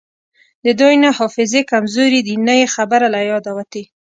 د دوی نه حافظې کمزورې دي نه یی خبره له یاده وتې